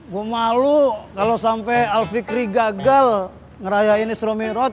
gue malu kalau sampai alfikri gagal ngerayain isromirod